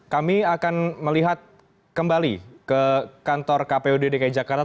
kami akan melihat kembali ke kantor kpud dki jakarta